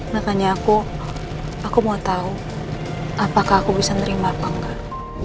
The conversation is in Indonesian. makanya aku aku mau tahu apakah aku bisa nerima apa enggak